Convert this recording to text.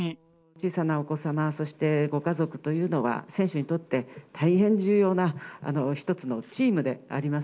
小さなお子様、そしてご家族というのは、選手にとって、大変重要な一つのチームであります。